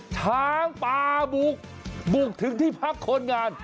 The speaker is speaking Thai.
ช้างป่าบุกบุกถึงที่พักคนงาน